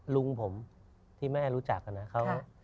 ลุงผมที่แม่รู้จักนะ